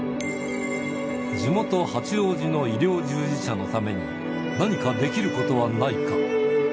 地元、八王子の医療従事者のために、何かできることはないか。